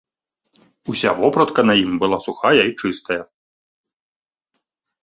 Уся вопратка на ім была сухая і чыстая.